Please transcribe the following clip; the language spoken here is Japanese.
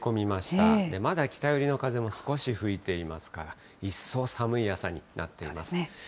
まだ北寄りの風も少し吹いていますから、一層寒い朝になっています。